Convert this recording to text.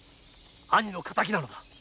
兄の敵なのだ。